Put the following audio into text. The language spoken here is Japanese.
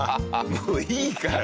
もういいから！